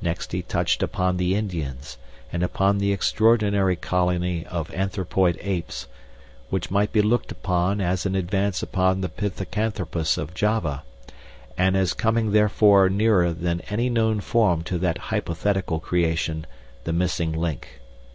Next he touched upon the Indians, and upon the extraordinary colony of anthropoid apes, which might be looked upon as an advance upon the pithecanthropus of Java, and as coming therefore nearer than any known form to that hypothetical creation, the missing link.